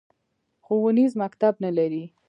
ښوونیز مکتب نه لري